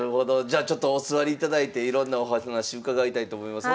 じゃあちょっとお座りいただいていろんなお話伺いたいと思います。